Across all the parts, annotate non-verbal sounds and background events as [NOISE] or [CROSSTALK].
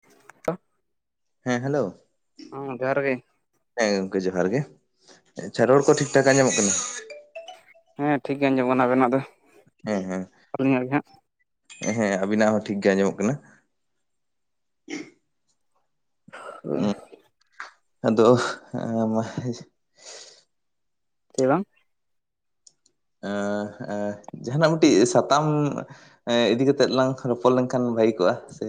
[UNINTELLIGIBLE] ᱦᱮᱸ ᱦᱮᱞᱳ᱾ ᱦᱚᱸ ᱡᱚᱦᱟᱨ ᱜᱮ ᱦᱮᱸ ᱜᱚᱝᱠᱮ ᱡᱚᱦᱟᱨ ᱜᱮ ᱟᱪᱪᱷᱟ ᱨᱚᱲ ᱠᱚ ᱴᱷᱤᱠ ᱴᱷᱟᱠ ᱟᱡᱚᱢᱚᱜ ᱠᱟᱱᱟ? ᱦᱮᱸ ᱴᱷᱤᱠ ᱜᱮ ᱟᱸᱡᱚᱢ ᱠᱟᱱᱟ ᱟᱵᱮᱱᱟᱜ ᱫᱚ᱾ ᱦᱮᱸ ᱦᱮᱸ ᱟᱹᱞᱤᱧᱟᱜ ᱜᱮ ᱦᱟᱸᱜ? ᱦᱮᱸ ᱟᱵᱤᱱᱟᱜ ᱦᱚᱸ ᱴᱷᱤᱠ ᱜᱮ ᱟᱸᱡᱚᱢᱚᱜ ᱠᱟᱱᱟ᱾ ᱚᱻ ᱟᱫᱚᱼᱼ [UNINTELLIGIBLE] ᱚᱸ ᱚᱸ ᱡᱟᱦᱟᱱᱟᱜ ᱢᱤᱫᱴᱤᱡ ᱥᱟᱛᱟᱢᱼᱼ ᱦᱳᱭ ᱤᱫᱤ ᱠᱟᱛᱮᱜ ᱞᱟᱝ ᱨᱚᱯᱚᱲ ᱞᱮᱝᱠᱷᱟᱱ ᱵᱷᱟᱹᱜᱤ ᱠᱚᱜᱼᱟ ᱥᱮᱼᱼ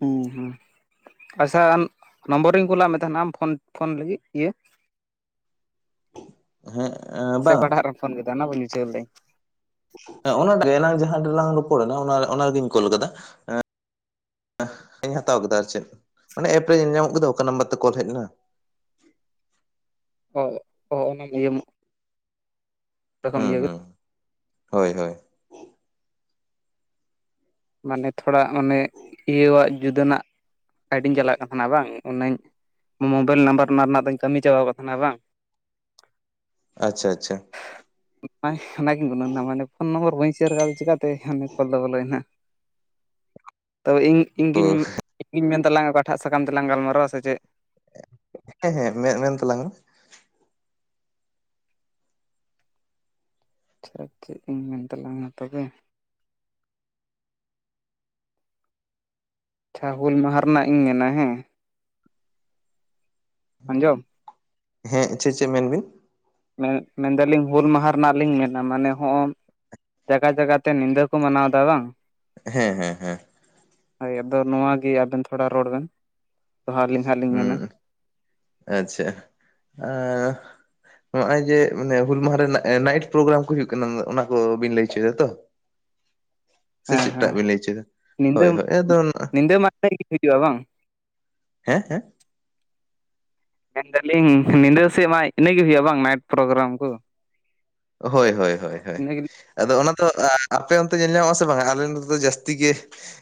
ᱦᱩᱸ ᱦᱩᱸ ᱟᱪᱪᱷᱟ ᱟᱢ ᱱᱚᱢᱵᱚᱨᱤᱧ ᱠᱩᱞᱟᱜ ᱢᱮ ᱛᱟᱦᱮᱱ ᱟᱢ ᱛᱳᱠᱷᱳᱱ ᱯᱷᱳᱱ ᱞᱟᱹᱜᱤᱜ ᱩᱸᱼᱼ ᱦᱮᱸ [UNINTELLIGIBLE] ᱥᱮ ᱚᱠᱟᱦᱴᱟᱜ ᱨᱮᱢ ᱯᱷᱳᱱ ᱠᱮᱫᱟ ᱚᱱᱟ ᱵᱟᱹᱧ ᱵᱩᱡᱷᱟᱹᱣ ᱞᱮᱼᱼ ᱦᱮᱸ ᱚᱱᱟᱴᱟᱜ ᱮᱱᱟᱝ ᱡᱟᱦᱟᱸ ᱴᱨᱮᱞᱟᱝ ᱨᱚᱯᱚᱲ ᱮᱱᱟ ᱚᱱᱟ ᱚᱱᱟ ᱨᱮᱜᱤᱧ ᱠᱳᱞ ᱠᱟᱫᱟ᱾ ᱧ ᱦᱟᱛᱟᱣ ᱠᱮᱫᱟ ᱟᱨ ᱪᱮᱫ ᱚᱱᱮ ᱮᱯ ᱨᱮ ᱧᱮᱼᱧᱟᱢᱚᱜ ᱜᱮᱫᱚ ᱚᱠᱟ ᱱᱟᱢᱵᱟᱨ ᱛᱮ ᱠᱚᱞ ᱦᱮᱡ ᱮᱱᱟ᱾ ᱚ ᱚᱦᱚ ᱚᱱᱟᱢ ᱤᱭᱟᱹᱼᱼ ᱦᱩᱸ ᱦᱩᱸ ᱦᱳᱭ ᱦᱳᱭ᱾ ᱢᱟᱱᱮ ᱛᱷᱚᱲᱟ ᱢᱟᱱᱮ ᱤᱭᱟᱹᱣᱟᱜ ᱡᱩᱫᱟᱹᱱᱟᱜ ᱠᱟᱹᱰᱤᱧ ᱪᱟᱞᱟᱜ ᱠᱟᱱ ᱛᱟᱦᱮᱱᱟ ᱵᱟᱝ ᱚᱱᱟᱹᱧ ᱢᱳᱵᱟᱭᱤᱞ ᱱᱟᱢᱵᱟᱨ ᱨᱮᱱᱟᱜ ᱨᱮᱱᱟᱜ ᱫᱚᱢ ᱠᱟᱹᱢᱤ ᱪᱟᱵᱟ ᱟᱠᱟ ᱛᱟᱦᱮᱱᱟ ᱵᱟᱝ? ᱟᱪᱪᱷᱟ ᱟᱪᱪᱷᱟ᱾ [UNINTELLIGIBLE] ᱢᱟᱱᱮ ᱯᱷᱳᱱ ᱱᱚᱢᱵᱚᱨ ᱵᱟᱹᱧ ᱥᱮᱭᱟᱨ ᱠᱟᱫᱟ ᱪᱮᱠᱟᱛᱮ ᱠᱳᱞ ᱫᱚ ᱵᱚᱞᱚᱭᱮᱱᱟ᱾ ᱛᱚ ᱤᱧ ᱚ ᱤᱧᱜᱤᱧ ᱢᱮᱱ ᱛᱟᱞᱟᱝ ᱚᱠᱟᱴᱟᱜ ᱥᱟᱠᱟᱢ ᱛᱮᱞᱟᱝ ᱜᱟᱞᱢᱟᱨᱟᱣᱟ ᱥᱮ ᱪᱮᱫ? ᱦᱮᱸ ᱦᱮᱸ ᱢᱮᱼᱢᱮᱱ ᱛᱟᱞᱟᱝ ᱢᱮ? ᱟᱪᱷᱟ ᱪᱮᱫ ᱤᱧ ᱢᱮᱱ ᱛᱟᱞᱟᱝᱼᱟ ᱛᱚᱵᱮ ᱟᱪᱪᱷᱟ ᱦᱩᱞ ᱢᱟᱦᱟ ᱨᱮᱱᱟᱜ ᱤᱧ ᱢᱮᱱᱟ ᱦᱮᱸᱼᱼ ᱟᱸᱡᱚᱢ ᱦᱮᱸ ᱪᱷᱮ ᱪᱷᱳᱡ ᱢᱮᱱ ᱵᱤᱱ? ᱢᱮᱫ ᱢᱮᱱᱫᱟᱞᱤᱧ ᱦᱩᱞ ᱢᱟᱦᱟᱸ ᱨᱮᱱᱟᱜ ᱞᱤᱧ ᱢᱮᱱᱟ ᱢᱟᱱᱮ ᱦᱚᱸᱜᱼᱼ ᱡᱟᱭᱜᱟ ᱡᱟᱭᱜᱟ ᱛᱮ ᱧᱤᱫᱟᱹ ᱠᱚ ᱢᱟᱱᱟᱣ ᱮᱫᱟ ᱵᱟᱝ? ᱦᱮᱸ ᱦᱮᱸ ᱦᱮᱸ ᱦᱳᱭ ᱟᱫᱚ ᱱᱚᱣᱟ ᱜᱮ ᱟᱵᱮᱱ ᱛᱷᱚᱲᱟ ᱨᱚᱲ ᱵᱮᱱ᱾ ᱫᱚᱦᱲᱟ ᱟᱹᱞᱤᱧ ᱦᱟᱸᱜ ᱞᱤᱧ ᱢᱮᱱᱟ ᱦᱩᱸ ᱟᱪᱪᱷᱟ ᱟᱨᱼᱼ ᱱᱚᱜ ᱚᱭ ᱡᱮ ᱦᱩᱞ ᱢᱟᱦᱟ ᱨᱮᱱᱟᱜ ᱱᱟᱭᱤᱴ ᱯᱨᱳᱜᱨᱟᱢ ᱠᱚ ᱦᱩᱭᱩᱜ ᱠᱟᱱᱟ ᱚᱱᱟ ᱠᱚ ᱵᱤᱱ ᱞᱟᱹᱭ ᱦᱚᱪᱚᱭᱮᱫᱟ ᱛᱚ? ᱥᱮ ᱦᱮᱸ ᱦᱮᱸ ᱪᱮᱫᱴᱟᱜ ᱵᱤᱱ ᱞᱟᱹᱭ ᱦᱚᱪᱚᱭᱮᱫᱟ ᱦᱳᱭ ᱦᱳᱭ ᱟᱫᱚᱼᱼ [UNINTELLIGIBLE] ᱦᱤᱡᱩᱜᱼᱟ ᱵᱟᱝ ᱦᱮᱸ ᱦᱮᱸ? ᱢᱮᱱ ᱫᱟᱞᱤᱧ ᱧᱤᱫᱟᱹ ᱥᱮᱜ ᱢᱟᱭ ᱤᱱᱟᱹ ᱜᱮ ᱦᱩᱭᱩᱜᱼᱟ ᱵᱟᱝ ᱱᱟᱭᱤᱴ ᱯᱨᱳᱜᱨᱟᱢ ᱠᱚ? ᱦᱳᱭ ᱦᱳᱭ ᱦᱳᱭ ᱤᱱᱟᱹ ᱜᱮ ᱟᱫᱚ ᱚᱱᱟ ᱫᱚ ᱟ ᱟᱯᱮ ᱚᱱᱛᱮ ᱧᱮᱞ ᱧᱟᱢᱚᱜ ᱟᱥᱮ ᱵᱟᱝᱟ ᱟᱞᱮ ᱱᱚᱛᱮ ᱫᱚ ᱡᱟᱹᱥᱛᱤ ᱜᱮ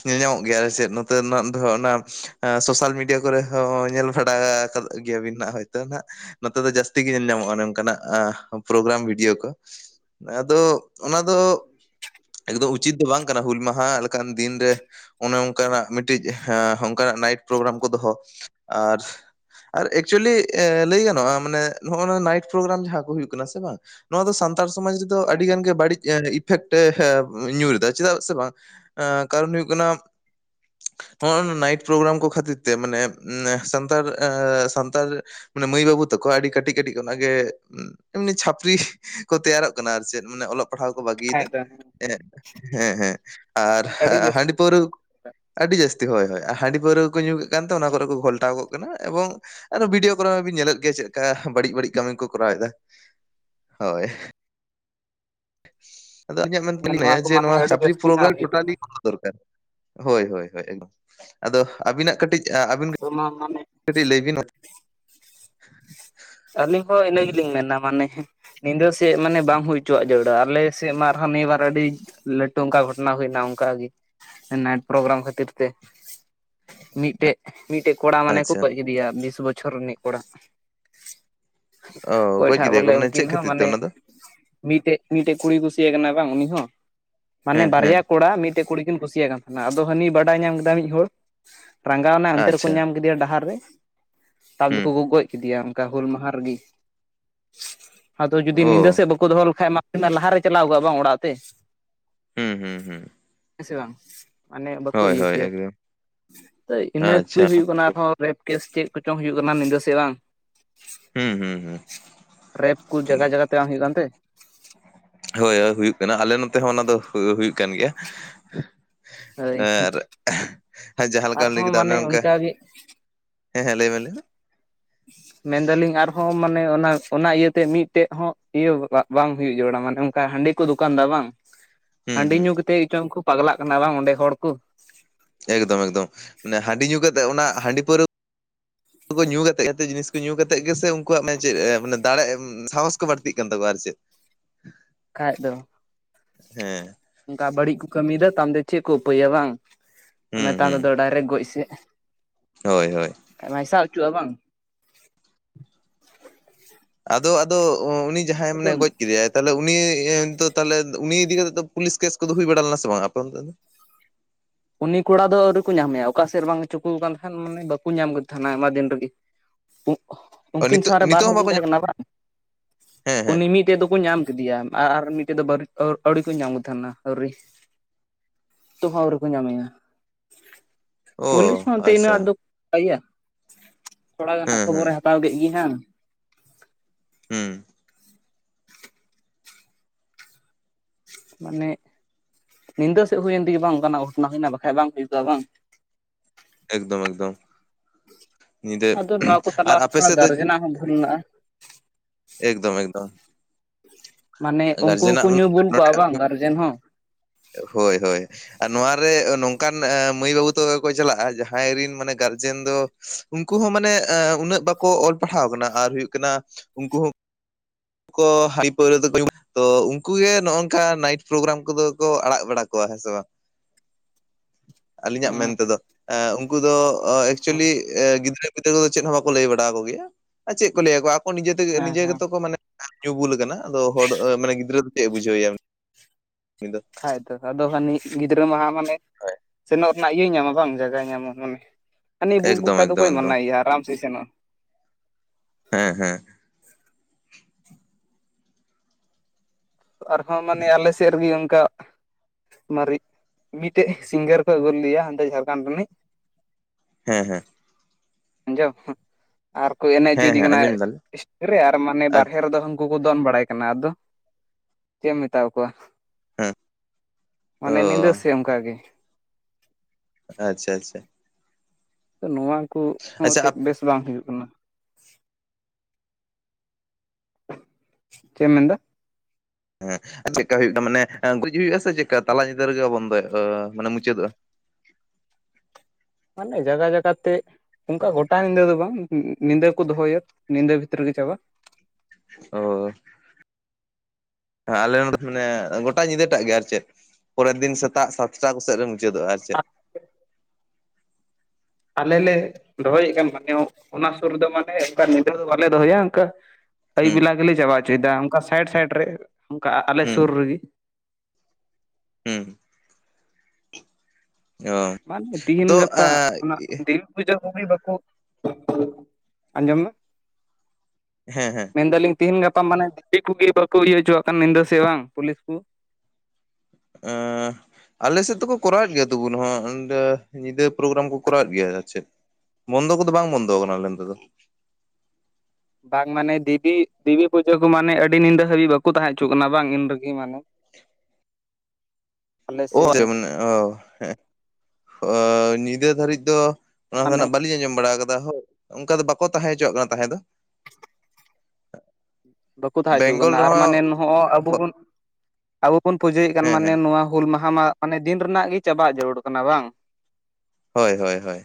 ᱧᱮᱞ ᱧᱟᱢᱚᱜ ᱜᱮᱭᱟ ᱟᱞᱮ ᱥᱮᱫ ᱱᱚᱛᱮᱱᱟᱜ ᱫᱷᱚ ᱚᱱᱟ ᱟᱸ ᱥᱳᱥᱟᱞ ᱢᱤᱰᱤᱭᱟ ᱠᱚᱨᱮ ᱦᱚᱸ ᱧᱮᱞ ᱵᱟᱲᱟ ᱠᱟᱫ ᱮᱜᱮᱭᱟ ᱵᱤᱱ ᱱᱟᱜ ᱦᱳᱭᱛᱚ ᱱᱟᱦᱟᱜ ᱱᱚᱛᱮ ᱫᱚ ᱡᱟᱹᱥᱛᱤ ᱜᱮ ᱧᱮᱞ ᱧᱟᱢᱚᱜ-ᱟ ᱱᱚᱝᱠᱟ ᱱᱟᱜ-ᱟ ᱯᱨᱳᱜᱨᱟᱢ ᱵᱷᱤᱰᱭᱳ ᱠᱚ ᱠᱚ ᱟᱫᱚ ᱫᱚ ᱚᱱᱟ ᱫᱚ ᱮᱠᱫᱚᱢ ᱩᱪᱤᱛ ᱫᱚ ᱵᱟᱝ ᱠᱟᱱᱟ ᱦᱩᱞ ᱢᱟᱦᱟ ᱞᱮᱠᱟᱱ ᱫᱤᱱ ᱨᱮ ᱚᱱᱮ ᱚᱝᱠᱟ ᱱᱟᱜ ᱢᱤᱴᱤᱡ ᱦᱮᱸ ᱦᱚᱝᱠᱟᱱᱟᱜ ᱱᱟᱭᱤᱴ ᱯᱨᱳᱜᱨᱟᱢ ᱠᱚ ᱫᱚᱦᱚ ᱟᱨ ᱟᱨ ᱮᱠᱪᱩᱞᱞᱤ ᱮᱸ ᱞᱟᱹᱭ ᱜᱟᱱᱚᱜ-ᱟ ᱢᱟᱱᱮ [UNINTELLIGIBLE] ᱱᱟᱭᱤᱴ ᱯᱨᱳᱜᱨᱟᱢ ᱡᱟᱦᱟᱸ ᱠᱚ ᱦᱩᱭᱩᱜ ᱠᱟᱱᱟ ᱥᱮ ᱵᱟᱝ ᱱᱚᱣᱟ ᱫᱚ ᱥᱟᱱᱛᱟᱲ ᱥᱚᱢᱟᱡᱽ ᱨᱮᱫᱚ ᱟᱹᱰᱤ ᱜᱟᱱ ᱜᱮ ᱵᱟᱹᱲᱤᱡ [UNINTELLIGIBLE] ᱤᱯᱷᱮᱠᱴᱮ ᱦᱮ ᱧᱩᱨᱮᱫᱟ ᱪᱮᱫᱟᱜ ᱥᱮ ᱵᱟᱝ ᱠᱟᱨᱚᱱ ᱦᱩᱭᱩᱜ ᱠᱟᱱᱟ ᱱᱚᱜ-ᱱᱚᱣᱟ ᱱᱟᱭᱤᱴ ᱯᱨᱳᱜᱨᱟᱢ ᱠᱚ ᱠᱷᱟᱹᱛᱤᱨ ᱛᱮ ᱢᱟᱱᱮ ᱥᱟᱱᱛᱟᱲ ᱥᱟᱱᱛᱟᱞ ᱢᱟᱱᱮ ᱢᱟᱹᱭ ᱵᱟᱹᱵᱩ ᱛᱟᱠᱚ ᱟᱹᱰᱤ ᱠᱟᱹᱴᱤᱡ ᱠᱟᱹᱴᱤᱡ ᱠᱷᱚᱱᱟᱜ ᱜᱮ ᱮᱢᱱᱤ ᱪᱷᱟᱯᱨᱤ ᱠᱚ ᱛᱮᱭᱟᱨᱚᱜ ᱠᱟᱱᱟ ᱟᱨ ᱪᱮᱫ ᱢᱟᱱᱮ ᱚᱞᱚᱜ ᱯᱟᱲᱦᱟᱣ ᱠᱚ ᱵᱟᱹᱜᱤ ᱮᱫᱟ ᱦᱮᱸ ᱮᱸᱦᱮ ᱦᱮᱸ ᱦᱮᱸ ᱟᱨ ᱟᱹᱰᱤ ᱦᱟᱺᱰᱤ ᱡᱟᱹᱥᱛᱤ ᱯᱟᱹᱣᱨᱟᱹ ᱟᱹᱰᱤ ᱡᱟᱹᱥᱛᱤ ᱦᱳᱭ ᱦᱳᱭ ᱟ ᱦᱟᱺᱰᱤ ᱯᱟᱹᱣᱨᱟᱹ ᱠᱚᱠᱚ ᱧᱩ ᱠᱟᱜ ᱠᱟᱱᱛᱮ ᱚᱱᱟ ᱠᱚᱨᱮ ᱠᱚ ᱜᱷᱚᱞᱴᱟᱣ ᱠᱚᱜ ᱠᱟᱱᱟ ᱮᱵᱚᱝ ᱟᱨᱚ ᱵᱷᱤᱰᱭᱳ ᱠᱚᱨᱮ ᱢᱟᱵᱤᱱ ᱧᱮᱞᱮᱫ ᱜᱮᱭᱟ ᱪᱮᱫ ᱠᱟ ᱵᱟᱹᱲᱤᱡ ᱵᱟᱹᱲᱤᱡ ᱠᱟᱹᱢᱤ ᱠᱚ ᱠᱚᱨᱟᱣᱫᱟ ᱦᱳᱭ ᱟᱫᱚ ᱟᱞᱤᱧᱟᱜ ᱢᱮᱱ [UNINTELLIGIBLE] ᱠᱚ ᱡᱮ ᱢᱟᱱᱮ ᱱᱚᱣᱟ ᱟᱹᱰᱤ ᱪᱷᱟᱯᱨᱤ ᱡᱟᱹᱥᱛᱤ ᱦᱟᱸᱜ ᱯᱨᱳᱜᱨᱟᱢ ᱦᱩᱭᱩᱜ ᱴᱳᱴᱟᱞᱤ ᱠᱟᱱᱟ ᱵᱳᱱᱫᱚ ᱫᱚᱨᱠᱟᱨ, ᱦᱳᱭ ᱦᱳᱭ ᱮᱠᱫᱚᱢ ᱟᱫᱚ ᱟᱹᱵᱤᱱᱟᱜ ᱠᱟᱹᱴᱤᱡ ᱟᱹᱵᱤᱱ ᱚᱱᱟ ᱢᱟᱱᱮ ᱠᱟᱹᱴᱤᱡ ᱞᱟᱹᱭ ᱵᱤᱱ [INAUDIBLE] ᱟᱹᱞᱤᱧ ᱦᱚᱸ ᱤᱱᱟᱹ ᱜᱮᱞᱤᱧ ᱢᱮᱱᱟ ᱢᱟᱱᱮ ᱧᱤᱫᱟᱹ ᱥᱮᱫ ᱢᱟᱱᱮ ᱵᱟᱝ ᱦᱩᱭ ᱦᱚᱪᱚᱣᱟᱜ ᱡᱟᱹᱨᱩᱲᱟ ᱟᱞᱮ ᱥᱮᱫ ᱢᱟ ᱟᱨᱦᱚᱸ ᱱᱤᱭᱟᱹᱵᱟᱨ ᱟᱹᱰᱤ ᱞᱟᱹᱴᱩ ᱚᱱᱠᱟ ᱜᱷᱚᱴᱚᱱᱟ ᱦᱩᱭᱱᱟ ᱚᱱᱠᱟᱜᱮ ᱱᱟᱭᱤᱴ ᱯᱨᱳᱜᱨᱟᱢ ᱠᱷᱟᱹᱛᱤᱨ ᱛᱮ ᱢᱤᱫᱴᱮᱡ ᱢᱤᱫᱴᱮᱡ ᱠᱚᱲᱟ ᱢᱟᱱᱮ ᱠᱚ ᱟᱪᱪᱷᱟ ᱜᱚᱡ ᱠᱮᱫᱮᱭᱟ ᱵᱤᱥ ᱵᱚᱪᱷᱚᱨ ᱨᱤᱱᱤᱡ ᱠᱚᱲᱟ ᱚ ᱜᱚᱡ ᱚᱠᱚᱭᱴᱟᱜ ᱠᱮᱫᱮᱭᱟ ᱠᱚ ᱵᱚᱞᱮ ᱢᱟᱱᱮ ᱪᱮᱫ ᱩᱱᱠᱤᱱ ᱦᱚᱸ ᱠᱷᱟᱹᱛᱤᱨ ᱛᱮ ᱢᱟᱱᱮ ᱚᱱᱟ ᱫᱚ ᱢᱤᱫᱴᱮᱡ ᱢᱤᱫᱴᱮᱡ ᱠᱩᱲᱤ ᱠᱩᱥᱤᱭᱟᱭ ᱠᱟᱱᱟ ᱵᱟᱝ ᱩᱱᱤ ᱦᱚᱸ ᱢᱟᱱᱮ ᱦᱮᱸ ᱦᱮᱸ ᱵᱟᱨᱭᱟ ᱠᱚᱲᱟ ᱢᱤᱫᱴᱮᱱ ᱠᱩᱲᱤ ᱠᱤᱱ ᱠᱩᱥᱤᱭᱟᱭ ᱠᱟᱱ ᱛᱟᱦᱮᱱᱟ ᱟᱫᱚ ᱦᱟᱹᱱᱤ ᱵᱟᱰᱟᱭ ᱧᱟᱢ ᱠᱮᱫᱟ ᱢᱤᱫ ᱦᱚᱲ ᱨᱟᱸᱜᱟᱣᱱᱟ ᱚᱱᱛᱮ ᱨᱮᱠᱚ ᱟᱪᱪᱷᱟ ᱧᱟᱢ ᱠᱮᱫᱮᱭᱟ ᱰᱟᱦᱟᱨ ᱨᱮ ᱛᱟᱭᱚᱢ ᱦᱩᱸ ᱛᱮᱠᱚ ᱜ-ᱜ ᱜᱚᱡ ᱠᱮᱫᱮᱭᱟ ᱚᱱᱠᱟ ᱦᱩᱞ ᱢᱟᱦᱟ ᱨᱮᱜᱮ, ᱟᱫᱚ ᱡᱩᱫᱤ ᱚ ᱧᱤᱫᱟᱹ ᱥᱮᱫ ᱵᱟᱠᱩ ᱠᱚ ᱫᱚᱦᱚ ᱞᱮᱠᱷᱟᱡ ᱢᱟ ᱞᱟᱦᱟᱨᱮ ᱪᱟᱞᱟᱣ ᱠᱚᱜᱼᱟ ᱵᱟᱝ ᱚᱲᱟᱜ ᱛᱮ ᱦᱩᱸ ᱦᱩᱸ ᱦᱩᱸ ᱦᱮᱸ ᱥᱮ ᱵᱟᱝ ᱢᱟᱱᱮ ᱵᱟᱠᱩ ᱦᱳᱭ ᱤᱭᱟᱹ ᱦᱳᱭ ᱠᱮᱭᱟ ᱮᱠᱫᱚᱢ ᱤᱱᱟᱹ ᱟᱪᱪᱷᱟ ᱠᱩᱜᱮ ᱦᱩᱭᱩᱜ ᱠᱟᱱᱟ ᱟᱨᱦᱚᱸ ᱨᱮᱯ ᱠᱮᱥ ᱪᱮᱫ ᱠᱚᱪᱚᱝ ᱦᱩᱭᱩᱜ ᱠᱟᱱᱟ ᱧᱤᱫᱟᱹ ᱥᱮᱫ ᱵᱟᱝ ᱦᱩᱸ ᱦᱩᱸ ᱦᱩᱸ ᱨᱮᱯ ᱠᱚ ᱡᱟᱜᱟ ᱡᱟᱜᱟᱛᱮ ᱵᱟᱝ ᱦᱩᱭᱩᱜ ᱠᱟᱱᱛᱮ ᱦᱳᱭ ᱦᱳᱭ ᱦᱩᱭᱩᱜ ᱠᱟᱱᱟ ᱟᱞᱮ ᱱᱚᱛᱮ ᱦᱚᱸ ᱚᱱᱟ ᱫᱚ ᱦᱩᱭᱩᱜ ᱠᱟᱱ ᱜᱮᱭᱟ ᱦᱳᱭ ᱟᱨᱸ ᱡᱟᱦᱟᱸ ᱞᱮᱠᱟᱢ ᱞᱟᱹᱭ ᱟᱨᱦᱚᱸ ᱠᱮᱫᱟ ᱚᱱᱮ ᱢᱟᱱᱮ ᱚᱱᱠᱟ ᱚᱱᱠᱟᱜᱮ ᱦᱮᱸ ᱦᱮ ᱞᱟᱹᱭ ᱢᱮ ᱞᱟᱹᱭ ᱢᱮ ᱢᱮᱱᱫᱟᱞᱤᱧ ᱟᱨᱦᱚᱸ ᱢᱟᱱᱮ ᱚᱱᱟ ᱚᱱᱟ ᱤᱭᱟᱹᱛᱮ ᱢᱤᱫᱴᱮᱡ ᱦᱚᱸ ᱤᱭᱟᱹ [UNINTELLIGIBLE] ᱵᱟᱝ ᱦᱩᱭᱩᱜ [UNINTELLIGIBLE] ᱢᱟᱱᱮ ᱚᱱᱠᱟ ᱦᱟᱺᱰᱤ ᱠᱚ ᱫᱚᱠᱟᱱ ᱫᱟ ᱵᱟᱝ ᱦᱩᱸ ᱦᱟᱺᱰᱤ ᱦᱩᱸ ᱧᱩ ᱠᱟᱛᱮᱫ ᱪᱚᱝᱠᱩ ᱯᱟᱜᱽᱞᱟᱜ ᱠᱟᱱᱟ ᱵᱟᱝ ᱚᱸᱰᱮ ᱦᱚᱲ ᱠᱩ ᱮᱠᱫᱚᱢ ᱮᱠᱫᱚᱢ ᱢᱟᱱᱮ ᱦᱟᱺᱰᱤ ᱧᱩ ᱠᱟᱛᱮᱫ ᱚᱱᱟ ᱦᱟᱺᱰᱤ ᱯᱟᱹᱣᱨᱟᱹ, ᱧᱩ ᱠᱟᱛᱮᱫ ᱡᱤᱱᱤᱥ ᱠᱚ ᱧᱩ ᱠᱟᱛᱮᱫ ᱜᱮᱥᱮ ᱩᱱᱠᱩᱣᱟᱜ ᱢᱟᱱᱮ ᱪᱮᱫ ᱫᱟᱲᱮ ᱥᱮ ᱥᱟᱦᱚᱥ [UNINTELLIGIBLE] ᱵᱟᱹᱲᱛᱤᱜ ᱠᱟᱱ ᱟᱨ ᱪᱮᱫ ᱠᱷᱟᱡ ᱫᱚ ᱦᱮᱸ ᱚᱝᱠᱟ ᱵᱟᱹᱲᱤᱡ ᱠᱚ ᱠᱟᱹᱢᱤᱭᱫᱟ ᱛᱟᱢ ᱫᱚ ᱪᱮᱫ ᱠᱚ ᱩᱯᱟᱹᱭᱟ ᱵᱟᱝ? ᱦᱩᱸ ᱢᱟᱱᱮᱛ ᱦᱩᱸ ᱰᱟᱭᱨᱮᱠᱴ ᱜᱚᱡ ᱥᱮᱜ᱾ ᱦᱳᱭ ᱦᱳᱭ᱾ ᱟᱡ ᱢᱟᱭᱥᱟᱵ ᱚᱪᱚᱜᱼᱟ ᱵᱟᱝ? ᱟᱫᱚ ᱟᱫᱚ ᱩᱱᱤ ᱡᱟᱦᱟᱸᱭ ᱢᱟᱱᱮ ᱟᱫᱚ ᱜᱚᱡ ᱠᱮᱫᱮᱭᱟᱭ᱾ ᱛᱟᱦᱚᱞᱮ ᱩᱱᱤ ᱛᱟᱦᱚᱞᱮ ᱩᱱᱤ ᱤᱫᱤ ᱠᱟᱛᱮᱜ ᱯᱩᱞᱤᱥ ᱠᱮᱥ ᱠᱚᱫᱚ ᱦᱳᱭ ᱵᱟᱲᱟ ᱞᱮᱱᱟ ᱥᱮ ᱵᱟᱝ ᱟᱯᱮ ᱚᱱᱛᱮ ᱫᱚ? ᱩᱱᱤ ᱠᱚᱲᱟ ᱫᱚ ᱟᱹᱣᱨᱤ ᱠᱚ ᱧᱟᱢᱮᱭᱟ ᱚᱠᱟ ᱥᱮᱫ ᱨᱮ ᱵᱟᱝ ᱪᱩᱠᱩ ᱠᱚ ᱠᱟᱱ ᱛᱟᱦᱮᱫ ᱢᱟᱱᱮ ᱵᱟᱠᱚ ᱧᱟᱢ ᱠᱮᱫ ᱛᱟᱦᱮᱱᱟ ᱟᱭᱢᱟ ᱫᱤᱱ ᱨᱮᱜᱮ᱾ [UNINTELLIGIBLE] ᱩᱱᱠᱤᱱ ᱥᱟᱶᱨᱮ ᱵᱟᱨ ᱱᱤᱛᱚᱜ ᱦᱚᱲ ᱦᱚᱸ ᱠᱤᱱ ᱵᱟᱠᱚ ᱛᱟᱦᱮᱸ ᱧᱟᱢ ᱠᱟᱱᱟ ᱵᱟᱝ ᱦᱮᱸ ᱦᱮᱸ ᱩᱱᱤ ᱢᱤᱫᱴᱮᱡ ᱫᱚᱠᱚ ᱧᱟᱢ ᱠᱮᱫᱮᱭᱟ᱾ ᱟᱨ ᱟᱨ ᱢᱤᱫᱴᱮᱡ ᱫᱚ ᱟᱹᱣᱨᱤ ᱠᱚᱧ ᱧᱟᱢ ᱠᱚ ᱛᱟᱦᱮᱱᱟ ᱟᱹᱣᱨᱤ ᱛᱚᱦᱚᱸ ᱟᱹᱣᱨᱤ᱾ ᱠᱩ ᱧᱟᱢᱮᱭᱟᱪ ᱚ ᱯᱩᱞᱤᱥ ᱦᱚ ᱛᱤᱱᱟᱜ ᱟᱪᱪᱷᱟ ᱟᱫᱚ ᱟᱭᱟ ᱛᱷᱚᱲᱟᱜᱟᱱ ᱦᱟᱜ ᱦᱮᱸ ᱦᱮᱸ ᱠᱷᱚᱵᱚᱨᱮ ᱦᱟᱛᱟᱣ ᱠᱮᱜ ᱜᱮ ᱦᱟᱝ᱾ ᱦᱩᱸ ᱢᱟᱱᱮ ᱧᱤᱫᱟᱹ ᱥᱮᱫ ᱦᱩᱭᱮᱱ ᱛᱮᱜᱮ ᱵᱟᱝ ᱚᱱᱠᱟᱱᱟᱜ ᱜᱷᱚᱴᱚᱱᱟ ᱦᱩᱭᱱᱟ ᱵᱟᱠᱷᱟᱡ ᱵᱟᱝ ᱦᱩᱭᱠᱚᱼᱟ ᱵᱟᱝ᱾ ᱮᱠᱫᱚᱢ ᱮᱠᱫᱚᱢ ᱧᱤᱫᱟᱹ ᱟᱨ ᱟᱯᱮ ᱥᱮᱫ ᱫᱚ ᱚᱱᱟ ᱦᱚᱸ ᱵᱷᱩᱞ ᱱᱟᱜᱼᱟ᱾ ᱮᱠᱫᱚᱢ ᱮᱠᱫᱚᱢ᱾ ᱢᱟᱱᱮ ᱩᱝᱠᱩ ᱦᱚᱸᱠᱚ ᱜᱟᱨᱡᱮᱱᱟᱜ ᱧᱩ ᱵᱩᱞ ᱱᱚᱰᱮ ᱠᱚᱣᱟ ᱵᱟᱝ ᱜᱟᱨᱡᱮᱱ ᱦᱚᱸ᱾ ᱦᱳᱭ ᱦᱳᱭ᱾ ᱟᱨ ᱱᱚᱣᱟᱨᱮ ᱱᱚᱝᱠᱟᱱ ᱮ ᱢᱟᱹᱭ ᱵᱟᱹᱵᱩ ᱛᱟᱠᱚ ᱜᱮᱠᱚ ᱪᱟᱞᱟᱜᱼᱟ ᱡᱟᱦᱟᱸᱭ ᱨᱮᱱ ᱢᱟᱱᱮ ᱜᱟᱨᱡᱮᱱ ᱫᱚ ᱩᱝᱠᱩ ᱦᱚᱸ ᱢᱟᱱᱮ ᱮ ᱩᱱᱟᱹᱜ ᱵᱟᱠᱚ ᱚᱞ ᱯᱟᱲᱦᱟᱣ ᱠᱟᱱᱟ ᱟᱨ ᱦᱩᱭᱩᱜ ᱠᱟᱱᱟ ᱩᱝᱠᱩ ᱦᱚᱸ ᱠᱚ [UNINTELLIGIBLE] ᱯᱟᱹᱨᱣᱟᱹ ᱫᱚᱠᱚ ᱧᱩ ᱛᱚ ᱩᱝᱠᱩᱜ ᱜᱮ ᱱᱚᱝᱠᱟ ᱱᱟᱭᱤᱴ ᱯᱨᱳᱜᱨᱟᱢ ᱠᱚᱫᱚ ᱠᱚ ᱟᱲᱟᱜ ᱵᱟᱲᱟ ᱠᱚᱣᱟ ᱦᱮᱸ ᱥᱮ ᱵᱟᱝ? ᱟᱹᱞᱤᱧᱟᱜ ᱦᱮᱸ ᱢᱮᱱᱛᱮᱫᱚ, ᱮ ᱩᱱᱠᱩ ᱫᱚ ᱦᱮᱸ ᱮᱠᱪᱚᱞᱤ ᱮ ᱜᱤᱫᱽᱟᱹ ᱯᱤᱫᱽᱨᱟᱹ ᱫᱚ ᱪᱮᱫ ᱦᱚᱸ ᱵᱟᱠᱚ ᱞᱟᱹᱭ ᱵᱟᱲᱟ ᱟᱠᱚ ᱜᱮᱭᱟ ᱟᱨ ᱪᱮᱫ ᱠᱚ ᱞᱟᱹᱭᱟᱠᱚᱣᱟ ᱟᱠᱚ ᱱᱤᱡᱮ ᱛᱮᱜᱮ ᱦᱮᱸ ᱱᱤᱡᱮ ᱦᱮᱸ ᱜᱮᱛᱚ ᱠᱚ ᱢᱟᱱᱮ ᱧᱩ ᱵᱩᱞ ᱠᱟᱱᱟ ᱟᱫᱚ ᱦᱚᱲ ᱢᱟᱱᱮ ᱜᱤᱫᱽᱨᱟᱹ ᱫᱚ ᱪᱮᱫ ᱮ ᱵᱩᱡᱷᱟᱹᱣᱮᱭᱟ ᱩᱱᱤ ᱫᱚ᱾ ᱠᱷᱟᱡ ᱫᱚ ᱦᱟᱹᱱᱤ ᱜᱤᱫᱽᱨᱟᱹ ᱢᱟᱦᱟᱸ ᱢᱟᱱᱮ ᱥᱮᱱᱚᱜ ᱨᱮᱱᱟᱜ ᱤᱭᱟᱹ ᱧᱟᱢᱟ ᱵᱟᱝ ᱡᱟᱜᱟᱭ ᱧᱟᱢᱟ ᱢᱟᱱᱮ, ᱦᱟᱱᱤ ᱵᱩᱞ ᱠᱚ ᱮᱠᱫᱚᱢ ᱠᱷᱟᱱ ᱫᱚ ᱮᱠᱫᱚᱢ ᱚᱠᱚᱭ ᱮᱠᱫᱚᱢ ᱢᱟᱱᱟᱣᱮᱭᱟ ᱟᱨᱟᱢ ᱥᱮ ᱥᱮᱱᱚᱜᱼᱟ᱾ ᱦᱮᱸ ᱦᱮᱸ᱾ ᱟᱨᱦᱚᱸ ᱢᱟᱱᱮ ᱟᱞᱮ ᱥᱮᱜ ᱨᱮᱜᱤ ᱚᱝᱠᱟ ᱢᱟᱨᱤᱡ ᱢᱤᱫᱴᱮᱡ ᱥᱤᱝᱜᱟᱨ ᱠᱚ ᱟᱹᱜᱩ ᱞᱮᱭᱟ ᱚᱱᱛᱮ ᱡᱷᱟᱲᱠᱷᱚᱱᱰ ᱨᱤᱱᱤᱡ᱾ ᱦᱮᱸ ᱦᱮᱸ᱾ [UNINTELLIGIBLE] ᱟᱨ ᱠᱚ ᱮᱱᱮᱡ ᱦᱮᱸ ᱪᱚᱭᱮᱫᱤ ᱦᱮᱸ ᱠᱟᱱᱟ ᱟᱸᱡᱚᱢ ᱫᱟᱞᱮ ᱮᱥᱴᱮ ᱨᱮ ᱟᱨ ᱢᱟᱱᱮ ᱟᱪ ᱵᱟᱨᱦᱮ ᱨᱮᱫᱚ ᱩᱱᱠᱩ ᱠᱚ ᱫᱚᱱ ᱵᱟᱲᱟᱭ ᱠᱟᱱᱟ ᱟᱫᱚ ᱪᱮᱜ ᱮᱢ ᱢᱮᱛᱟᱣ ᱠᱚᱣᱟ, ᱦᱮᱸ ᱚ ᱢᱟᱱᱮ ᱱᱤᱫᱟᱹ ᱥᱮ ᱚᱝᱠᱟ ᱜᱮ᱾ ᱟᱪᱪᱷᱟ ᱟᱪᱪᱷᱟ᱾ ᱛᱚ ᱱᱚᱣᱟ ᱠᱩ [UNINTELLIGIBLE] ᱟᱪᱪᱷᱟ ᱛᱮ ᱟᱯ ᱵᱮᱥ ᱵᱟᱝ ᱦᱩᱭᱩᱜ ᱠᱟᱱᱟ᱾ ᱪᱮᱢ ᱢᱮᱱ ᱫᱟ? ᱦᱮᱸ ᱪᱮᱜᱠᱟ ᱦᱩᱭᱩᱜ ᱜᱮᱭᱟ ᱢᱟᱱᱮ [UNINTELLIGIBLE] ᱦᱩᱭᱩᱜᱼᱟ ᱢᱟᱱᱮ ᱥᱮ ᱪᱮᱫᱠᱟ ᱛᱟᱞᱟ ᱧᱤᱫᱟᱹ ᱨᱮᱜᱮ ᱵᱚᱱᱫᱚᱭ ᱢᱟᱱᱮ ᱢᱩᱪᱟᱹᱫᱚᱜᱼᱟ? ᱢᱟᱱᱮ ᱡᱟᱭᱜᱟ ᱡᱟᱭᱜᱟ ᱛᱮ ᱚᱝᱠᱟ ᱜᱚᱴᱟ ᱱᱤᱫᱟᱹ ᱫᱚ ᱵᱟᱝ, ᱱᱤᱫᱟᱹ ᱠᱚ ᱫᱚᱦᱚᱭᱟ ᱱᱤᱫᱟᱹ ᱵᱷᱤᱛᱨᱤ ᱨᱮ ᱜᱮ ᱪᱟᱵᱟ᱾ ᱳ ᱦᱮᱸ ᱟᱞᱮ ᱱᱚᱸᱰᱮ ᱜᱚᱴᱟ ᱧᱤᱫᱟᱹ ᱴᱟᱜ ᱜᱮ ᱟᱨ ᱪᱮᱫ ᱯᱚᱨᱮᱨ ᱫᱤᱱ ᱥᱮᱛ ᱛᱟᱜ ᱠᱚ ᱥᱮᱫ ᱨᱮ ᱢᱩᱪᱟᱹᱫᱚᱜᱼᱟ ᱟᱨ ᱪᱮᱫ᱾ ᱟᱞᱮ ᱞᱮ ᱫᱚᱦᱚᱭᱮᱫ ᱠᱟᱱ ᱢᱟᱱᱮ ᱚᱱᱟ ᱥᱩᱨ ᱨᱮᱫᱚ ᱢᱟᱱᱮ ᱚᱱᱠᱟ ᱧᱤᱫᱟᱹ ᱫᱚ ᱵᱟᱞᱮ ᱫᱚᱦᱚᱭᱟ ᱚᱱᱠᱟᱼᱼ ᱟᱹᱭᱩᱵ ᱦᱩᱸ ᱵᱮᱞᱟ ᱜᱮᱞᱮ ᱪᱟᱵᱟ ᱦᱚᱪᱚᱭᱮᱫᱟ ᱚᱱᱠᱟ ᱥᱟᱭᱤᱰ ᱥᱟᱭᱤᱰ ᱨᱮ ᱚᱱᱠᱟ ᱟᱞᱮ ᱦᱩᱸ ᱥᱩᱨ ᱨᱮᱜᱮ᱾ ᱦᱩᱸ ᱚ ᱢᱟᱱᱮ ᱛᱤᱦᱤᱧ ᱛᱚ ᱜᱟᱯᱟ ᱮᱸ, ᱚᱱᱟ ᱫᱤᱱᱼᱼ [UNINTELLIGIBLE] ᱵᱟᱠᱚ ᱟᱸᱡᱚᱢ ᱢᱮ ᱦᱮᱸ ᱦᱮᱸ ᱢᱮᱱ ᱫᱟᱞᱤᱧ ᱛᱤᱦᱤᱧ ᱜᱟᱯᱟ ᱢᱟᱱᱮ [UNINTELLIGIBLE] ᱠᱚᱜᱮ ᱵᱟᱠᱚ ᱤᱭᱟᱹ ᱦᱚᱪᱚᱣᱟᱜ ᱠᱟᱱ ᱧᱟᱹᱫᱟ ᱥᱮ ᱵᱟᱝ ᱯᱩᱞᱤᱥ ᱠᱚ᱾ ᱮᱸᱻ ᱟᱞᱮ ᱥᱮᱫ ᱫᱚᱠᱚ ᱠᱚᱨᱟᱣᱮᱫ ᱜᱮᱭᱟ ᱛᱚᱵᱩ ᱦᱚᱸ ᱚᱸᱰᱮ ᱧᱤᱫᱟᱹ ᱯᱨᱳᱜᱨᱟᱢ ᱠᱚ ᱠᱚᱨᱟᱣᱮᱫ ᱜᱮᱭᱟ ᱟᱨ ᱪᱮᱫ᱾ ᱵᱚᱱᱫᱚ ᱠᱚᱫᱚ ᱵᱟᱝ ᱵᱚᱱᱫᱚ ᱠᱟᱱᱟ ᱱᱛᱮ ᱫᱚᱼᱼ ᱵᱟᱝ ᱢᱟᱱᱮ ᱫᱮᱵᱤ ᱫᱮᱵᱤ ᱯᱩᱡᱟᱹ ᱠᱚ ᱢᱟᱱᱮ ᱟᱹᱰᱤ ᱧᱤᱫᱟᱹ ᱦᱟᱹᱵᱤᱡ ᱵᱟᱠᱚ ᱛᱟᱦᱮᱸ ᱦᱚᱪᱚ ᱠᱟᱱᱟ ᱵᱟᱝ ᱤᱱ ᱨᱮᱜᱮ ᱢᱟᱱᱮᱼᱼ ᱢᱩᱸ [INAUDIBLE] [UNINTELLIGIBLE] ᱚ ᱥᱮᱫ ᱧᱤᱫᱟᱹ ᱫᱷᱟᱹᱨᱤᱡ ᱫᱚᱼᱼ ᱚᱱᱟ ᱢᱟᱱᱮ ᱫᱚᱱᱟᱜ ᱵᱟᱹᱞᱤᱧ ᱟᱸᱡᱚᱢ ᱵᱟᱲᱟ ᱟᱠᱟᱫᱟ ᱦᱚᱼᱼ ᱚᱱᱠᱟ ᱫᱚ ᱵᱟᱠᱚ ᱛᱟᱦᱮᱸ ᱦᱚᱪᱚᱣᱟᱜ ᱠᱟᱱᱟ ᱛᱟᱦᱮᱸ ᱫᱚ᱾ ᱵᱟᱠᱚ ᱛᱟᱦᱮᱸ ᱦᱚᱪᱚ ᱵᱮᱝᱜᱚᱞ ᱠᱟᱱᱟ ᱟᱨ ᱨᱮᱦᱚᱸ ᱢᱟᱱᱮ ᱱᱚᱜᱼᱚᱭ ᱟᱵᱚ ᱵᱚᱱ᱾ ᱟᱵᱚ ᱵᱚᱱ ᱯᱩᱡᱟᱹᱭᱮᱫ ᱠᱟᱱ ᱦᱮᱸ ᱢᱟᱱᱮ ᱦᱮᱸ ᱱᱚᱣᱟ ᱦᱩᱞ ᱢᱟᱦᱟ ᱢᱟ ᱢᱟᱱᱮ ᱫᱤᱱ ᱨᱮᱱᱟᱜ ᱜᱮ ᱪᱟᱵᱟᱜ ᱡᱟᱹᱨᱩᱲ ᱠᱟᱱᱟ ᱵᱟᱝ? ᱦᱳᱭ ᱦᱳᱭ ᱦᱳᱭ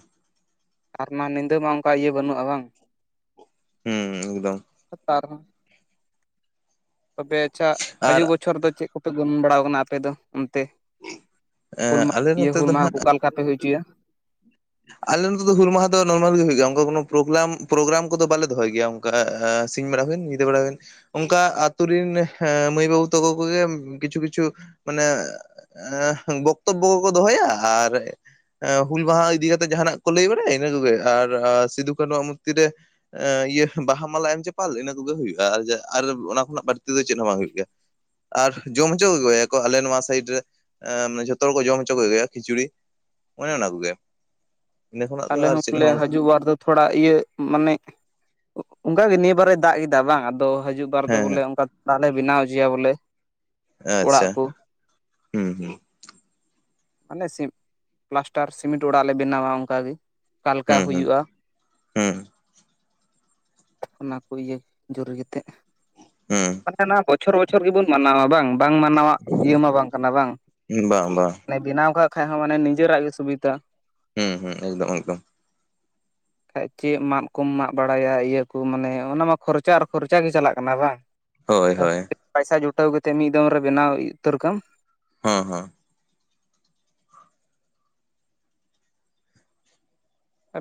ᱟᱨ ᱚᱱᱟ ᱧᱤᱫᱟᱹ ᱢᱟ ᱚᱱᱠᱟ ᱤᱭᱟᱹ ᱵᱟᱹᱱᱩᱜᱼᱟ ᱵᱟᱝ? ᱦᱩᱸ ᱮᱠᱫᱚᱢ᱾ [UNINTELLIGIBLE] ᱛᱚᱵᱮ ᱟᱪᱪᱷᱟ ᱟᱨ ᱦᱟᱡᱩᱜ ᱵᱚᱪᱷᱚᱨ ᱫᱚ ᱪᱮᱫ ᱠᱚᱯᱮ ᱜᱚᱱᱚᱝ ᱵᱟᱲᱟᱣ ᱟᱠᱟᱱᱟ ᱟᱯᱮ ᱫᱚ ᱚᱱᱛᱮ? ᱦᱩᱞ ᱢᱟᱦᱟ ᱟᱞᱮ ᱤᱭᱟᱹ ᱱᱚᱛᱮ ᱦᱩᱞ ᱫᱚ ᱢᱟᱦᱟ ᱱᱟᱜ ᱚᱠᱟᱞᱮ ᱞᱮᱠᱟ ᱯᱮ ᱦᱩᱭ ᱦᱚᱪᱚᱭᱟ? ᱟᱞᱮ ᱱᱚᱛᱚ ᱫᱚ ᱦᱩᱞ ᱢᱟᱦᱟ ᱫᱚ ᱱᱚᱨᱢᱟᱞ ᱜᱮ ᱦᱩᱭᱩᱜᱼᱟ ᱚᱱᱠᱟ ᱯᱨᱳᱜᱳᱨᱟᱢ ᱠᱚᱫᱚ ᱵᱟᱞᱮ ᱫᱚᱦᱚᱭ ᱜᱮᱭᱟ᱾ ᱥᱤᱧ ᱵᱮᱲᱟ ᱦᱩᱭᱮᱱ ᱧᱤᱫᱟᱹ ᱵᱮᱲᱟ ᱦᱩᱭᱮᱱ᱾ ᱚᱱᱠᱟ ᱟᱛᱩ ᱨᱤᱱ ᱢᱟᱹᱭ ᱵᱟᱹᱵᱩ ᱛᱟᱠᱚ ᱠᱚᱜᱮ ᱠᱤᱪᱷᱩ ᱠᱤᱪᱷᱩ ᱢᱟᱱᱮᱼᱼ ᱵᱚᱠᱛᱚᱵᱵᱚ ᱠᱚᱠᱚ ᱫᱚᱦᱚᱭᱟ ᱟᱨ ᱦᱩᱞ ᱢᱟᱦᱟ ᱤᱫᱤ ᱠᱟᱛᱮᱜᱼᱼ ᱡᱟᱦᱟᱱᱟᱜ ᱠᱚ ᱞᱟᱹᱭ ᱵᱟᱲᱟᱭᱟ ᱤᱱᱟᱹ ᱠᱚᱜᱮ ᱟᱨ ᱥᱤᱫᱩ ᱠᱱᱩᱣᱟᱜ ᱢᱩᱨᱛᱤ ᱨᱮᱼᱼ ᱮ ᱤᱭᱟᱹ ᱵᱟᱦᱟ ᱢᱟᱞᱟ ᱮᱢ ᱪᱟᱯᱟᱞ ᱤᱱᱟᱹ ᱠᱚᱜᱮ ᱦᱩᱭᱩᱜᱼᱟ ᱟᱨ ᱚᱱᱟ ᱠᱷᱚᱱᱟᱜ ᱵᱟᱹᱲᱛᱤ ᱫᱚ ᱪᱮᱫ ᱦᱚᱸ ᱵᱟᱝ ᱦᱩᱭᱩᱜ ᱜᱮᱭᱟ᱾ ᱟᱨ ᱡᱚᱢ ᱦᱚᱪᱚ ᱟᱹᱜᱩᱭᱟᱠᱚ ᱟᱞᱮ ᱱᱚᱣᱟ ᱥᱟᱭᱤᱰ ᱨᱮᱼᱼ ᱮᱸ ᱢᱟᱱᱮ ᱡᱷᱚᱛᱚ ᱦᱚᱲᱠᱚ ᱡᱚᱢ ᱦᱚᱪᱚ ᱠᱚᱜᱮᱭᱟ ᱠᱷᱤᱪᱩᱲᱤ ᱚᱱᱮ ᱚᱱᱟ ᱠᱚᱜᱮ᱾ ᱤᱱᱟᱹ ᱠᱷᱚᱱᱟᱜ ᱟᱞᱮ ᱫᱚ ᱟᱨ ᱦᱚᱸ ᱪᱮᱫ ᱯᱟᱞᱮ ᱚᱱᱠᱟ ᱦᱟᱡᱩᱜ ᱵᱟᱨ ᱫᱚ᱾ ᱛᱷᱚᱲᱟ ᱤᱭᱟᱹ ᱢᱟᱱᱮ ᱚᱱᱠᱟᱜᱮ ᱱᱤᱭᱟᱹ ᱵᱟᱨᱮ ᱫᱟᱜ ᱠᱮᱫᱟ ᱵᱟᱝ ᱟᱫᱚ ᱦᱟᱡᱩᱜᱼᱼ ᱵᱟᱨ ᱫᱚ ᱦᱮᱸ ᱦᱮᱸ ᱵᱚᱞᱮ ᱚᱱᱠᱟ ᱫᱟᱜ ᱞᱮ ᱵᱮᱱᱟᱣ ᱦᱚᱪᱚᱭᱟ ᱵᱚᱞᱮ ᱟᱪᱪᱷᱟ᱾ ᱚᱲᱟᱜ ᱠᱚ ᱦᱩᱸ ᱦᱩᱸ ᱢᱟᱱᱮ ᱥᱤᱢ ᱯᱞᱟᱥᱴᱟᱨ ᱥᱤᱢᱤᱴ ᱚᱲᱟᱜ ᱞᱮ ᱵᱮᱱᱟᱣᱟ ᱚᱝᱼᱠᱟ ᱜᱮ᱾ ᱚᱠᱟᱞᱮᱠᱟ ᱦᱩᱸ ᱦᱩᱭᱩᱜᱼᱟ? ᱦᱩᱸ ᱚᱱᱟ ᱠᱚ ᱤᱭᱟᱹ ᱡᱩᱨᱤ ᱠᱟᱛᱮᱫᱼᱼ ᱦᱩᱸ ᱢᱟᱱᱮ ᱚᱱᱟ ᱵᱚᱪᱷᱚᱨ ᱵᱚᱪᱷᱚᱨ ᱜᱮᱵᱚᱱ ᱢᱟᱱᱟᱣᱟ ᱵᱟᱝ ᱵᱟᱝ ᱢᱟᱱᱟᱣᱟᱜ ᱤᱭᱟᱹ ᱢᱟ ᱵᱟᱝ ᱠᱟᱱᱟ ᱵᱟᱝ? ᱵᱟᱝ ᱵᱟᱝ, ᱢᱟᱱᱮ ᱵᱮᱱᱟᱣ ᱠᱟᱜ ᱠᱷᱟᱡ ᱦᱚᱸ ᱢᱟᱱᱮ ᱱᱤᱡᱮᱨᱟᱜ ᱜᱮ ᱥᱩᱵᱤᱫᱷᱟ᱾ ᱦᱩᱸ ᱦᱩᱸ ᱮᱠᱫᱚᱢ ᱮᱠᱫᱚᱢ᱾ ᱵᱟᱠᱷᱟᱡ ᱪᱮᱫ ᱢᱟᱜ ᱠᱚᱢ ᱢᱟᱜ ᱵᱟᱲᱟᱭᱟ ᱤᱭᱟᱹ ᱠᱚ ᱢᱟᱱᱮ ᱚᱱᱟ ᱢᱟ ᱠᱷᱚᱨᱪᱟ ᱟᱨ ᱠᱷᱚᱨᱪᱟ ᱜᱮ ᱪᱟᱞᱟᱜ ᱠᱟᱱᱟ ᱵᱟᱝ? ᱦᱳᱭ ᱦᱳᱭ [UNINTELLIGIBLE] ᱯᱟᱭᱥᱟ ᱡᱩᱴᱟᱹᱣ ᱠᱟᱛᱮ ᱢᱤᱫ ᱫᱚᱢ ᱨᱮ ᱵᱮᱱᱟᱣ ᱩᱛᱟᱹᱨ ᱠᱟᱢ ᱦᱳᱸ ᱦᱳᱸ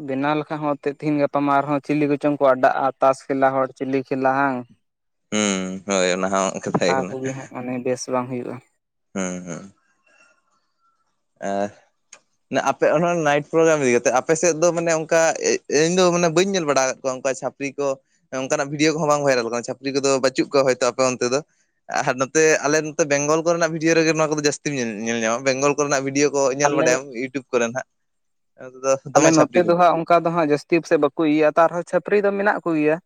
ᱵᱮᱱᱟᱣ ᱞᱮᱠᱷᱟᱡ ᱦᱚᱸ ᱮᱱᱮᱫ ᱛᱮᱦᱮᱧ ᱜᱟᱯᱟ ᱟᱨᱦᱚᱸ ᱪᱤᱞᱤ ᱠᱚᱪᱚᱝ ᱠᱚ ᱟᱰᱟᱜᱼᱟ ᱛᱟᱥ ᱠᱷᱮᱞᱟ ᱦᱚᱲ ᱪᱤᱞᱤ ᱠᱷᱮᱞᱟ ᱦᱟᱝ ᱦᱩᱸ ᱦᱳᱭ ᱚᱱᱟ ᱦᱚᱸ ᱠᱟᱛᱷᱟ ᱜᱮ ᱠᱟᱱᱟ᱾ ᱫᱚ ᱵᱟᱝ ᱦᱩᱭᱩᱜᱼᱟ᱾ ᱦᱩᱸ ᱦᱩᱸ ᱟᱦ ᱱᱮᱜ ᱟᱯᱮ ᱚᱱᱟ ᱱᱟᱭᱤᱴ ᱯᱨᱳᱜᱨᱟᱢ ᱤᱫᱤ ᱠᱟᱛᱮᱜ ᱟᱯᱮ ᱥᱮᱫ ᱫᱚ ᱢᱟᱱᱮ ᱚᱱᱠᱟ ᱤᱧ ᱫᱚ ᱢᱟᱱᱮ ᱵᱟᱹᱧ ᱧᱮᱞ ᱵᱟᱲᱟ ᱟᱠᱟᱫ ᱠᱚᱣᱟ ᱚᱱᱠᱟ ᱪᱷᱟᱯ ᱯᱨᱤ ᱠᱚ ᱚᱱᱠᱟᱱᱟᱜ ᱵᱷᱤᱰᱭᱳ ᱠᱚᱦᱚᱸ ᱵᱟᱝ ᱵᱷᱟᱭᱨᱟᱞ ᱠᱟᱱᱟ ᱪᱷᱟᱯᱨᱤ ᱠᱚᱫᱚ ᱵᱟᱪᱩᱜ ᱠᱚᱣᱟ ᱦᱳᱭᱛᱳ ᱟᱯᱮ ᱚᱱᱛᱮ ᱫᱚ? ᱟᱨ ᱱᱚᱛᱮ ᱟᱞᱮ ᱱᱚᱛᱮ ᱵᱮᱝᱜᱚᱞ ᱠᱚᱨᱮᱱᱟᱜ ᱵᱷᱤᱰᱭᱳ ᱨᱮᱜᱮ ᱱᱚᱣᱟ ᱠᱚᱫᱚ ᱡᱟᱹᱥᱛᱤ ᱧᱮᱞ ᱧᱮᱞ ᱧᱟᱢᱟ ᱵᱮᱝᱜᱚᱞ ᱠᱚᱨᱮᱱᱟᱜ ᱵᱷᱤᱰᱭᱳ ᱠᱚ ᱧᱮᱞ ᱵᱟᱲᱟᱭᱟᱢ ᱟᱞᱮ ᱤᱭᱩᱴᱩᱵᱽ ᱠᱚᱨᱮ ᱱᱟᱜ [UNINTELLIGIBLE] ᱟᱞᱮ ᱱᱚᱛᱮ ᱫᱚ ᱦᱟᱸᱜ ᱚᱱᱠᱟ ᱫᱚ ᱦᱟᱜ ᱡᱟᱹᱥᱛᱤ ᱥᱮᱫ ᱵᱟᱠᱚ ᱤᱭᱟᱹᱜᱼᱟ ᱛᱚ ᱟᱨᱦᱚᱸ ᱪᱷᱟᱹᱯᱨᱤ ᱫᱚ ᱢᱮᱱᱟᱜ ᱠᱚᱜᱮᱭᱟ᱾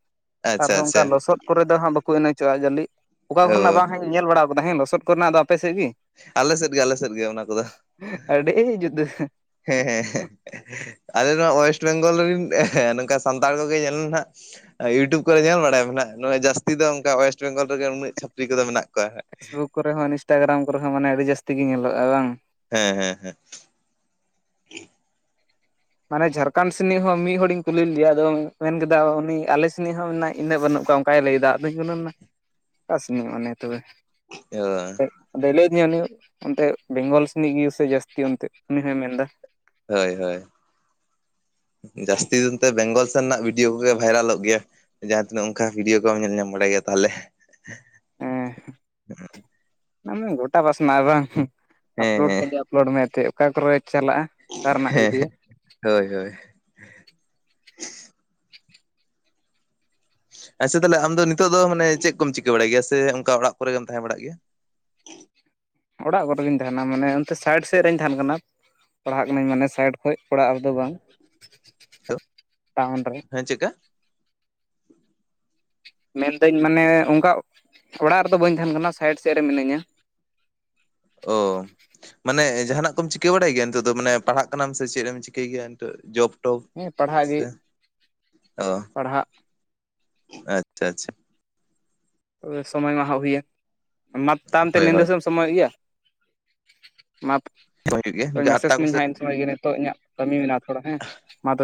ᱟᱪᱪᱷᱟ ᱛᱟᱨᱦᱚ ᱚᱱᱠᱟ ᱟᱪᱪᱷᱟ ᱞᱚᱥᱚᱫ ᱠᱚᱨᱮ ᱫᱚ ᱦᱟᱸᱜ ᱵᱟᱠᱚ ᱮᱱᱮᱡᱚᱜᱼᱟ ᱡᱟᱹᱞᱤᱜ ᱚᱠᱟ ᱚ ᱠᱚᱨᱮᱱᱟᱜ ᱵᱟᱝ? ᱦᱮᱧ ᱧᱮᱞ ᱵᱟᱲᱟ ᱟᱠᱟᱫᱟ ᱦᱮ ᱞᱚᱥᱚᱫ ᱠᱚᱨᱮ ᱟᱯᱮᱥᱮᱫ ᱜᱮ? ᱟᱞᱮ ᱥᱮᱫ ᱜᱮ ᱟᱞᱮ ᱥᱮᱫ ᱜᱮ ᱚᱱᱟ ᱠᱚᱫᱚ ᱟᱹᱰᱤ ᱡᱩᱫᱟᱹ ᱦᱮᱸ ᱦᱮᱸ ᱟᱞᱮ ᱱᱚᱣᱟ ᱳᱭᱮᱥᱴ ᱵᱮᱝᱜᱚᱞ ᱨᱮᱱ ᱱᱚᱝᱠᱟ ᱥᱟᱱᱛᱟᱲ ᱠᱚᱜᱮ ᱧᱮᱞ ᱱᱟᱜ ᱤᱭᱩᱴᱩᱵᱽ ᱠᱚᱨᱮ ᱧᱮᱞ ᱵᱟᱲᱟᱭᱟᱢ ᱦᱟᱜ ᱱᱚᱣᱟ ᱡᱟᱹᱥᱛᱤ ᱫᱚ ᱚᱱᱠᱟ ᱚᱭᱮᱥᱴ ᱵᱮᱝᱜᱚᱞ ᱨᱮᱜᱮ ᱩᱱᱟᱹᱜ ᱪᱷᱟᱯᱨᱤ ᱠᱚᱫᱚ ᱢᱮᱱᱟᱜ ᱠᱚᱣᱟ ᱦᱟᱜ᱾ ᱯᱷᱮᱥᱵᱩᱠ ᱠᱚᱨᱮ ᱦᱚᱸ ᱤᱱᱥᱴᱟᱜᱨᱟᱢ ᱠᱚᱨᱮ ᱦᱚᱸ ᱢᱟᱱᱮ ᱟᱹᱰᱤ ᱡᱟᱹᱥᱛᱤ ᱜᱮ ᱧᱮᱞᱚᱜᱼᱟ ᱵᱟᱝ? ᱦᱮᱸ ᱦᱮᱸ ᱦᱮᱸ ᱢᱟᱱᱮ ᱡᱷᱟᱲᱠᱷᱚᱸᱰ ᱥᱮᱱᱤᱡ ᱦᱚᱸ ᱢᱤᱫ ᱦᱚᱲᱤᱧ ᱠᱩᱞᱤ ᱞᱮᱫᱭᱟ ᱟᱫᱚ ᱢᱮᱱ ᱠᱮᱫᱟ ᱩᱱᱤ ᱟᱞᱮ ᱥᱮᱱᱤᱡ ᱦᱚᱸ ᱢᱮ ᱤᱱᱟᱹᱜ ᱵᱟᱹᱱᱩᱜ ᱠᱚᱣᱟ᱾ [UNINTELLIGIBLE] ᱚᱠᱟᱭ ᱞᱟᱹᱭᱫᱟ ᱟᱫᱚᱧ ᱜᱩᱱᱟᱹᱱ ᱱᱟ ᱚᱠᱟ ᱥᱮᱱᱤᱡ ᱢᱟᱱᱮ ᱛᱚᱵᱮ? ᱚ [UNINTELLIGIBLE] ᱟᱫᱚᱭ ᱞᱟᱹᱭᱫᱤᱧᱟ ᱩᱱᱤ ᱚᱱᱛᱮ ᱵᱮᱝᱜᱚᱞ ᱥᱮᱱᱤᱡ [UNINTELLIGIBLE] ᱥᱮ ᱡᱟᱹᱥᱛᱤ ᱚᱱᱛᱮ ᱩᱱᱤ ᱦᱚᱭ ᱢᱮᱱ ᱮᱫᱟ᱾ ᱦᱳᱭ ᱦᱳᱭ ᱡᱟᱹᱥᱛᱤ ᱫᱚ ᱮᱱᱛᱮ ᱵᱮᱝᱜᱚᱞ ᱥᱮᱱᱟᱜ ᱵᱷᱤᱰᱭᱳ ᱠᱚᱜᱮ ᱵᱷᱟᱭᱨᱟᱞᱚᱜ ᱜᱮᱭᱟ᱾ ᱡᱟᱦᱟᱸ ᱛᱤᱱᱟᱹᱜ ᱚᱱᱠᱟ ᱵᱷᱤᱰᱭᱳ ᱠᱚᱢ ᱧᱮᱞ ᱧᱟᱢ ᱵᱟᱲᱟᱭ ᱜᱮᱭᱟ ᱛᱟᱦᱚᱞᱮ᱾ ᱦᱮᱸ ᱜᱚᱴᱟ ᱯᱟᱥᱱᱟ ᱵᱟᱝ ᱦᱮᱸ ᱟᱯᱞᱳᱰ ᱦᱮᱸ ᱛᱮᱜᱮ᱾ ᱟᱯᱞᱳᱰ ᱢᱮ ᱮᱛᱮ ᱚᱠᱟ ᱠᱚᱨᱮ ᱪᱟᱞᱟᱜᱼᱟ᱾ ᱚᱠᱟ ᱨᱮᱱᱟᱜ ᱦᱮᱸ ᱵᱷᱤᱰᱭᱳ ᱦᱮᱸ ᱦᱳᱭ ᱦᱳᱭ ᱟᱪᱪᱷᱟ ᱛᱟᱦᱚᱞᱮ ᱟᱢ ᱫᱚ ᱱᱤᱛᱚᱜ ᱫᱚ ᱢᱟᱱᱮ ᱪᱮᱫ ᱠᱚᱢ ᱪᱤᱠᱟᱹ ᱵᱟᱲᱟᱭ ᱜᱮᱭᱟ ᱥᱮ ᱚᱱᱠᱟ ᱚᱲᱟᱜ ᱠᱚᱨᱮᱜᱮ ᱛᱟᱦᱮᱸ ᱵᱟᱲᱟᱜ ᱜᱮᱭᱟ? ᱚᱲᱟᱜ ᱠᱚᱨᱮᱜᱤᱧ ᱛᱟᱦᱮᱱᱟ ᱢᱟᱱᱮ ᱚᱱᱛᱮ ᱥᱟᱭᱤᱰ ᱥᱮᱡ ᱨᱤᱧ ᱛᱟᱦᱮᱱ ᱠᱟᱱᱟ᱾ ᱯᱟᱲᱦᱟᱜ ᱠᱟᱹᱱᱟᱹᱧ ᱢᱟᱱᱮ ᱥᱟᱭᱤᱰ ᱠᱷᱚᱡ ᱚᱲᱟᱜ ᱨᱮᱫᱚ ᱵᱟᱝ ᱴᱟᱣᱩᱱ ᱨᱮ᱾ ᱦᱮᱸ ᱪᱮᱜᱠᱟ ᱢᱮᱱᱫᱟᱹᱧ ᱢᱟᱱᱮ ᱚᱱᱠᱟ ᱚᱲᱟᱜ ᱨᱮᱫᱚ ᱵᱟᱹᱧ ᱛᱟᱦᱮᱱ ᱠᱟᱱᱟ ᱥᱟᱭᱤᱰ ᱥᱮᱫ ᱨᱮ ᱢᱤᱱᱟᱹᱧᱟ᱾ ᱚ ᱢᱟᱱᱮ ᱡᱟᱦᱟᱸᱱᱟᱜ ᱠᱚᱢ ᱪᱤᱠᱟᱹ ᱵᱟᱲᱟᱭ ᱜᱮᱭᱟ ᱱᱤᱛᱚᱜ ᱫᱚ ᱢᱟᱱᱮ ᱯᱟᱲᱦᱟᱜ ᱠᱟᱱᱟᱢ ᱥᱮ ᱪᱮᱫ ᱮᱢ ᱪᱤᱠᱟᱹᱭ ᱜᱮᱭᱟ ᱱᱤᱛᱚᱜ ᱡᱚᱵᱽ? ᱴᱚᱯ ᱦᱮᱸ ᱯᱟᱲᱦᱟᱜ ᱜᱮ ᱥᱮ ᱚ। ᱯᱟᱲᱦᱟᱜ। ᱟᱪᱪᱷᱟ ᱟᱪᱪᱷᱟ। ᱚ ᱥᱚᱢᱚᱭ ᱢᱟᱦᱟᱜ ᱦᱩᱭᱮᱱ ᱚᱱᱟ ᱛᱟᱭᱚᱢᱛᱮ ᱦᱳᱭ ᱧᱤᱫᱟᱹ ᱦᱳᱭ ᱥᱮ ᱥᱚᱢᱚᱭᱚᱜ ᱜᱮᱭᱟ ᱢᱟᱯ ᱦᱩᱭᱩᱜ ᱜᱮᱭᱟ ᱱᱤᱝᱠᱟ ᱢᱮᱥᱮᱡᱽ ᱟᱴᱴᱟ ᱠᱚᱥᱮᱫ ᱢᱮᱧ ᱦᱟᱸᱜ। ᱥᱚᱭ ᱜᱮ ᱱᱤᱛᱚᱜ ᱤᱧᱟᱹᱜ ᱠᱟᱹᱢᱤ ᱢᱮᱱᱟᱜᱼᱟ ᱛᱷᱚᱲᱟ ᱦᱮᱸ ᱢᱟ ᱛᱚᱵ।